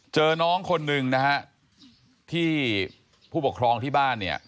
เจอน้องคนหนึ่งนะฮะที่ผู้ปกครองที่บ้านเนี่ย